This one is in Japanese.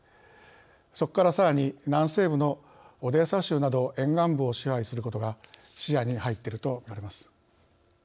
そこからさらに南西部のオデーサ州など沿岸部を支配することが視野に入っていると見られます。